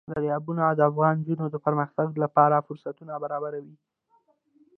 دریابونه د افغان نجونو د پرمختګ لپاره فرصتونه برابروي.